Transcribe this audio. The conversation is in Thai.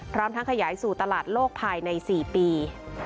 พร้อมทั้งขยายสู่ตลาดโลกภายใน๔ปี